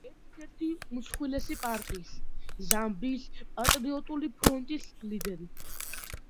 ერთ-ერთი უმსხვილესი პარტიის, ზამბიის პატრიოტული ფრონტის ლიდერი.